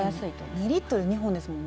２リットル２本ですもんね。